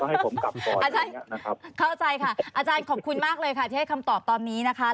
อาจารย์ขอบคุณมากเลยที่ให้คำตอบตอนนี้